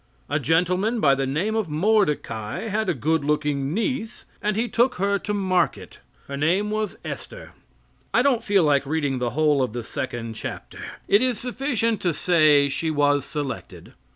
A gentleman by the name of Mordecai had a good looking niece, and he took her to market. Her name was Esther. I don't feel like reading the whole of the second chapter. It is sufficient to say she was selected.